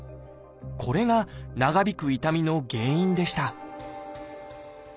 これが長引く痛みの原因でした